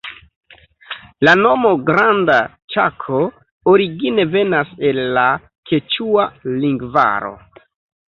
La nomo Granda Ĉako origine venas el la keĉua lingvaro.